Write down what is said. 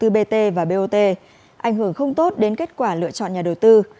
bt và bot ảnh hưởng không tốt đến kết quả lựa chọn nhà đầu tư